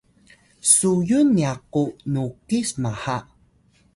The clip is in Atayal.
suyun nya ku nukis maha